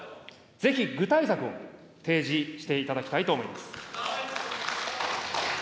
ぜひ具体策を提示していただきたいと思います。